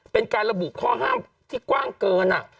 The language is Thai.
เป็นการระบุข้อห้ามที่กว้างเกิน